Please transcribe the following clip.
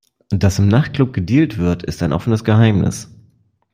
Dass im Nachtclub gedealt wird, ist ein offenes Geheimnis.